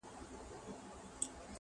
سل ځله یې زموږ پر کچکولونو زهر وشیندل؛